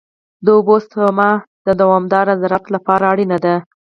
د اوبو سپما د دوامدار زراعت لپاره اړینه ده.